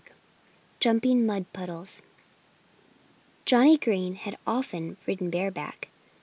XXI JUMPING MUD PUDDLES Johnnie Green had often ridden bareback.